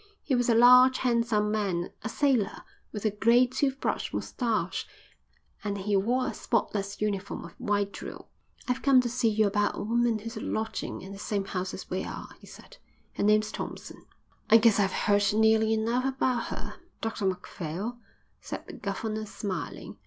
He was a large, handsome man, a sailor, with a grey toothbrush moustache; and he wore a spotless uniform of white drill. "I've come to see you about a woman who's lodging in the same house as we are," he said. "Her name's Thompson." "I guess I've heard nearly enough about her, Dr Macphail," said the governor, smiling.